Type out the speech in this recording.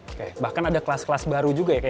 oke bahkan ada kelas kelas baru juga ya